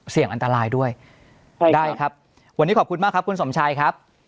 เสี่ยงอันตรายด้วยได้ครับวันนี้ขอบคุณมากครับคุณสมชัยครับ